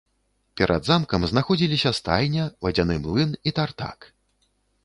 Перад замкам знаходзіліся стайня, вадзяны млын і тартак.